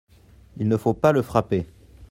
Il ne faut pas le frapper.